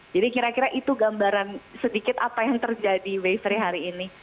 jadi kira kira itu gambaran sedikit apa yang terjadi waisri hari ini